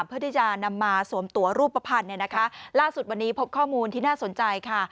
เพื่อที่จะนำมาสวมตัวรูปภัณฑ์เนี่ยนะคะล่าสุดวันนี้พบข้อมูลที่น่าสนใจค่ะ